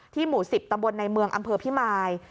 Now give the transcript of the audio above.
หมู่๑๐ตำบลในเมืองอำเภอพิมาย